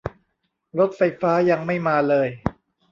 รถไฟฟ้ายังไม่มาเลย